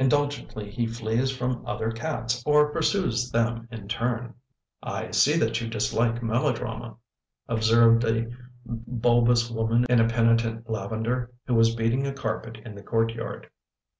"Indulgently he flees from other cats or pursues them in turn/' " I see that you dislike melodrama," observed a bulbous woman in penitent lavender, who was beating a carpet in the courtyard.